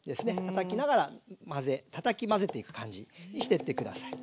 たたきながら混ぜたたき混ぜていく感じにしてって下さい。